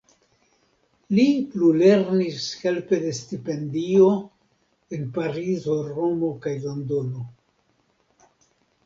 Li plulernis helpe de stipendio en Parizo, Romo kaj Londono.